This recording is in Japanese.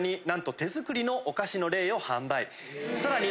さらに。